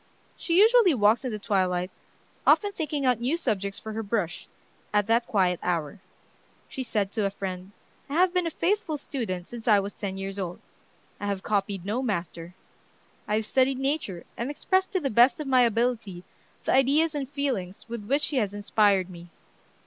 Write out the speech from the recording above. She usually walks at the twilight, often thinking out new subjects for her brush, at that quiet hour. She said to a friend: "I have been a faithful student since I was ten years old. I have copied no master. I have studied Nature, and expressed to the best of my ability the ideas and feelings with which she has inspired me.